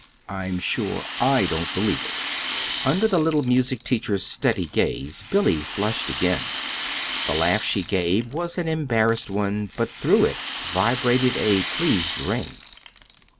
"I'm sure I don't believe it." Under the little music teacher's steady gaze Billy flushed again. The laugh she gave was an embarrassed one, but through it vibrated a pleased ring.